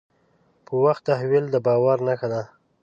په وخت تحویل د باور نښه ده.